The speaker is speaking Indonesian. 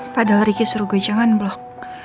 padahal ricky suruh gue jangan blok